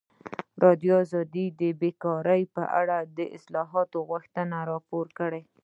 ازادي راډیو د بیکاري په اړه د اصلاحاتو غوښتنې راپور کړې.